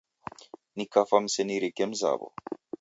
Nikafwa msenirike mzaw'o.